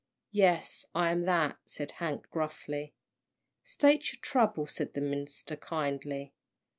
"Yes, I am that," said Hank, gruffly. "State your trouble," said the minister, kindly.